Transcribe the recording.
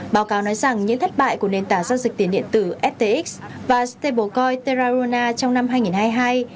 báo cáo nói rằng những thất bại của nền tảng giao dịch tiền điện tử ftx và stablecoin terraruna trong năm hai nghìn hai mươi hai